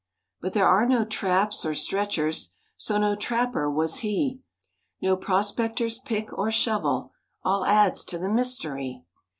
But there are no traps or stretchers So no trapper was he, No prospector's pick or shovel,— All adds to the mystery.